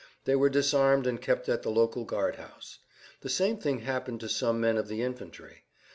They were disarmed and kept at the local guard house; the same thing happened to some men of the infantry.